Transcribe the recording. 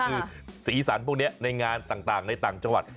คือสีสันพวกนี้ในงานต่างในต่างจังหวัด